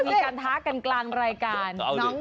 มีการท้ากันกลางรายการ